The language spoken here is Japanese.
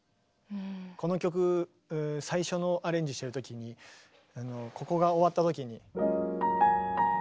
この曲最初のアレンジしてるときにここが終わったときに。